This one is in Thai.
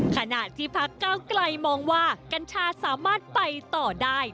ขณะที่พักเก้าไกลมองว่ากัญชาสามารถไปต่อได้